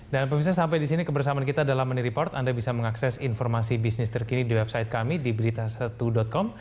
dan pemirsa sampai di sini kebersamaan kita dalam money report anda bisa mengakses informasi bisnis terkini di website kami di berita satu com